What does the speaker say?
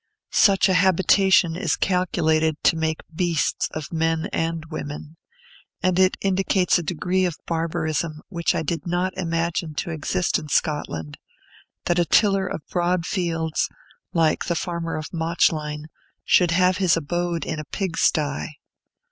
Such a habitation is calculated to make beasts of men and women; and it indicates a degree of barbarism which I did not imagine to exist in Scotland, that a tiller of broad fields, like the farmer of Mauchline, should have his abode in a pigsty.